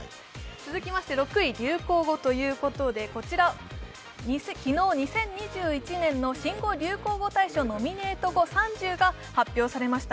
続きまして６位、流行語ということで、昨日２０２１年新語・流行語ノミネート語３０が発表されました。